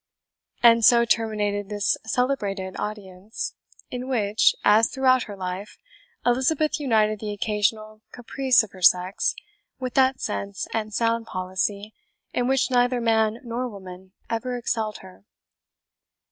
And so terminated this celebrated audience, in which, as throughout her life, Elizabeth united the occasional caprice of her sex with that sense and sound policy in which neither man nor woman ever excelled her.